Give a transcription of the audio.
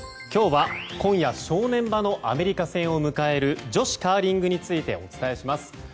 今日は今夜、正念場のアメリカ戦を迎える女子カーリングについてお伝えします。